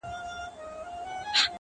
بې وسي;